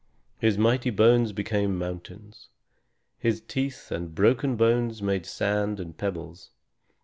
His mighty bones became mountains. His teeth and broken bones made sand and pebbles.